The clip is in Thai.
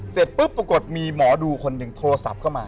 เสร็จปุ๊บปรากฏมีหมอดูคนหนึ่งโทรศัพท์เข้ามา